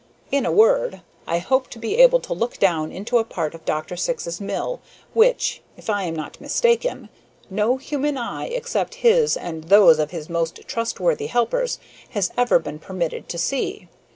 In a word, I hope to be able to look down into a part of Dr. Syx's mill which, if I am not mistaken, no human eye except his and those of his most trustworthy helpers has ever been permitted to see.